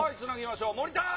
森田。